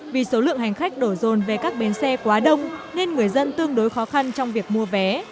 vì số lượng hành khách đổ rồn về các bến xe quá đông nên người dân tương đối khó khăn trong việc mua vé